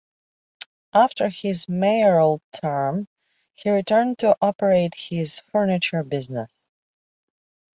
After his mayoral term, he returned to operate his furniture business.